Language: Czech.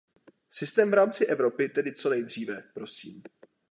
Systém v rámci Evropy tedy co nejdříve, prosím.